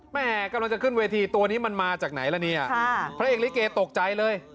แม่กำลังจะขึ้นเวทีตัวนี้มันมาจากไหนล่ะเนี่ยพระเอกลิเกตกใจเลย